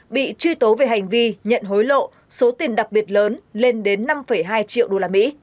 bị truy tố về hành vi nhận hối lộ số tiền đặc biệt lớn lên đến năm hai triệu usd